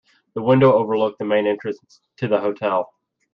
The window overlooked the main entrance to the hotel.